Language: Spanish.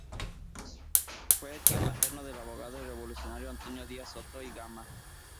Fue tío materno del abogado y revolucionario Antonio Díaz Soto y Gama.